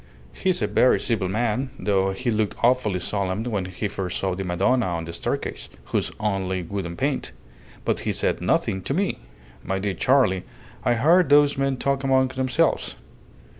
He's a very civil man, though he looked awfully solemn when he first saw the Madonna on the staircase, who's only wood and paint; but he said nothing to me. My dear Charley, I heard those men talk among themselves.